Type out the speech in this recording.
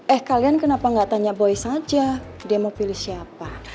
eh kalian kenapa gak tanya boy saja dia mau pilih siapa